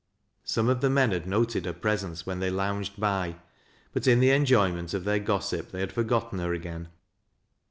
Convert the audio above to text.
Some of the men had noted her presence when they lounged by, but in the enjoyment of their gossip, they had forgotten her again.